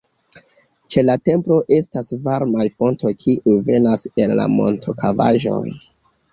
Ĉe la templo estas varmaj fontoj kiuj venas el la montokavaĵoj.